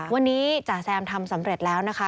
วันนี้จ่าแซมทำสำเร็จแล้วนะคะ